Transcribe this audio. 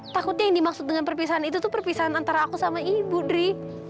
takutnya yang dimaksud dengan perpisahan itu tuh perpisahan antara aku sama ibu dri